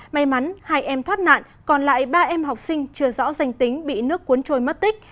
may mắn hai em thoát nạn còn lại ba em học sinh chưa rõ danh tính bị nước cuốn trôi mất tích